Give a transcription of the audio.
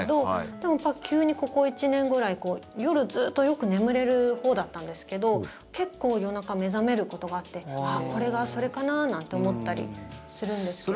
でも、急にここ１年くらい夜、ずっとよく眠れるほうだったんですけど結構、夜中目覚めることがあってこれがそれかな？なんて思ったりするんですけれど。